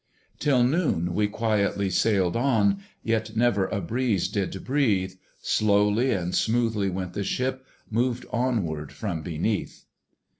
Till noon we quietly sailed on, Yet never a breeze did breathe: Slowly and smoothly went the ship, Moved onward from beneath.